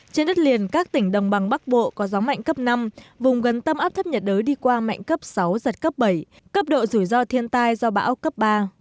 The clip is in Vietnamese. trên đất liền các tỉnh đồng bằng bắc bộ có gió mạnh cấp năm vùng gần tâm áp thấp nhiệt đới đi qua mạnh cấp sáu giật cấp bảy cấp độ rủi ro thiên tai do bão cấp ba